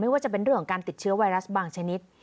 ว่าจะเป็นเรื่องของการติดเชื้อไวรัสบางชนิด